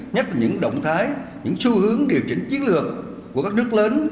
nhắc vào những động thái những xu hướng điều chỉnh chiến lược của các nước lớn